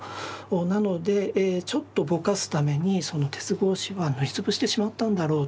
なのでちょっとぼかすためにその鉄格子は塗り潰してしまったんだろうと。